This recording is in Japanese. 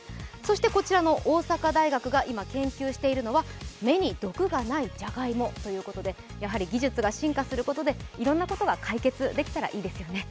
こちらの大阪大学が今研究しているのは芽に毒がないじゃがいもということでやはり技術が進化することでいろんなことが解決できたらいいですよね。